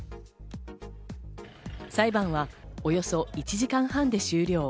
裁判はおよそ１時間半で終了。